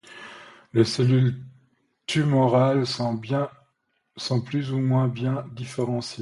Les cellules tumorales sont plus ou moins bien différenciées.